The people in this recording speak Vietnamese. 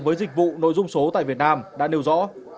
với dịch vụ nội dung số tại việt nam đã nêu rõ